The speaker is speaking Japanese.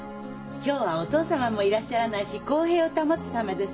今日はお父様もいらっしゃらないし公平を保つためです。